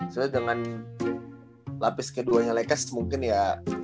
soalnya dengan lapis keduanya lakers mungkin ya